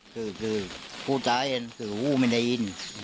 คือผู้ตายเห็นคือวู้ไม่ได้ยิน